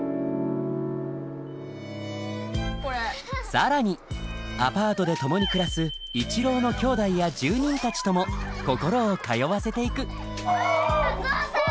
更にアパートで共に暮らす一郎のきょうだいや住人たちとも心を通わせていくゾウさん！